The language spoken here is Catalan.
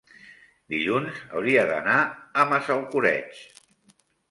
dilluns hauria d'anar a Massalcoreig.